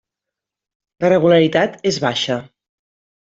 La regularitat és baixa.